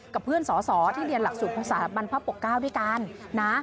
กับเพื่อนสอที่เรียนหลักศูนย์ภูมิสารบรรพปกเก้าด้วยกันนะ